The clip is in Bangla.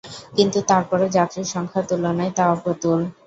কিন্তু তারপরও যাত্রীর সংখ্যার তুলনায় তা অপ্রতুল।